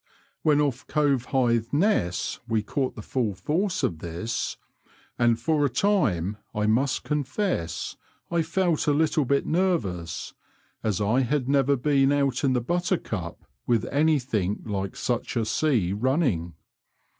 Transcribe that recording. When off Covehithe Ness we caught the full force of this, and for a time I must confess I felt a little bit nervous, as I had never been out in the Buttercup with anything like such a sea running.